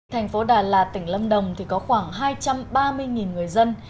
thành phố đà lạt tỉnh lâm đồng có khoảng hai trăm ba mươi người dân